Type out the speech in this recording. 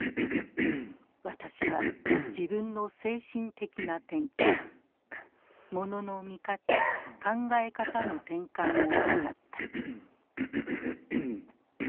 「私は自分の精神的な転換モノの見方考え方の転換をはかった」。